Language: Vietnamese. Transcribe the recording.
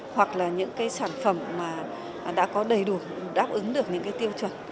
hoặc là những cái sản phẩm mà đã có đầy đủ đáp ứng được những cái tiêu chuẩn